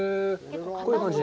こういう感じで？